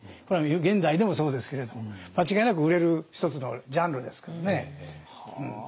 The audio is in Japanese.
これは現代でもそうですけれども間違いなく売れる一つのジャンルですからね。